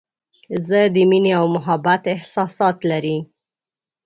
زه د مینې او محبت احساسات لري.